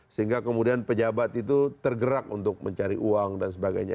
sehingga kemudian pejabat itu tergerak untuk mencari uang dan sebagainya